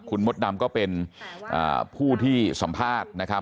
คุณมดดำก็เป็นผู้ที่สัมภาษณ์นะครับ